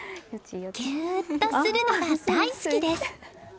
ぎゅーっとするのが大好きです。